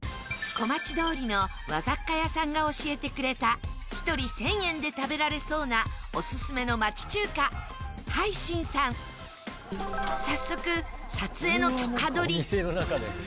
小町通りの和雑貨屋さんが教えてくれた１人１０００円で食べられそうな早速撮影の許可取り。